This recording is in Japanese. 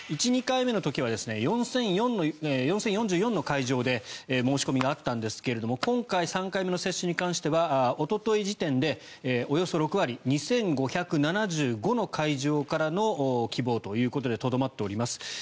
１２回目の時は４０４４の会場で申し込みがあったんですが今回３回目接種に関してはおととい時点で、およそ６割２５７５の会場からの希望ということでとどまっております。